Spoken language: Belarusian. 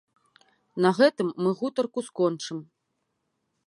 На гэтым мы гутарку скончым.